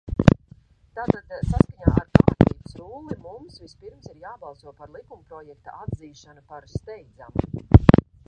Tātad saskaņā ar Kārtības rulli mums vispirms ir jābalso par likumprojekta atzīšanu par steidzamu.